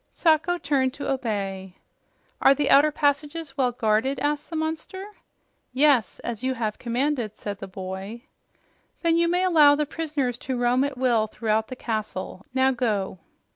Sacho turned to obey. "Are the outer passages well guarded?" asked the monster. "Yes, as you have commanded," said the boy. "Then you may allow the prisoners to roam at will throughout the castle. Now, go!"